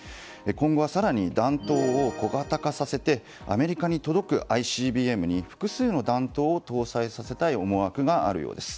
今後は更に弾頭を小型化させてアメリカに届くＩＣＢＭに複数の弾頭を搭載させたい思惑があるようです。